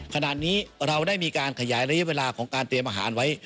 ขณะนี้เราได้มีการขยายระยะเวลาของการเตรียมอาหารไว้